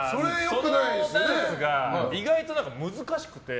そのダンスが意外と難しくて。